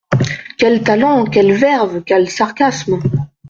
Quel talent ! quelle verve ! quel sarcasme !